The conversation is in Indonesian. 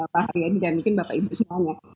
pak hari adi dan mungkin bapak ibu semuanya